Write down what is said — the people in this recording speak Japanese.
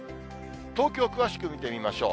東京、詳しく見てみましょう。